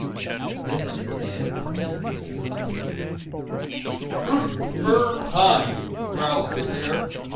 Then they began to name the trees. "Spruce, fir, pine," growled the bear.